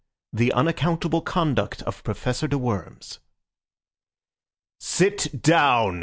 THE UNACCOUNTABLE CONDUCT OF PROFESSOR DE WORMS "Sit down!"